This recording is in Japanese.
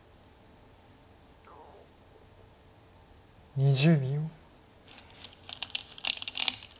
２０秒。